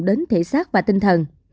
đến thể xác và tinh thần